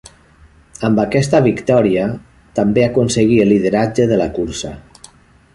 Amb aquesta victòria també aconseguí el lideratge de la cursa.